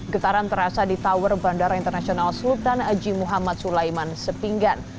getaran terasa di tower bandara internasional sultan haji muhammad sulaiman sepinggan